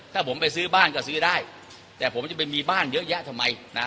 ถ้าผมไปซื้อบ้านก็ซื้อได้แต่ผมจะไปมีบ้านเยอะแยะทำไมนะ